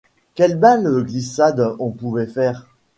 Quelles belles glissades on pouvait faire !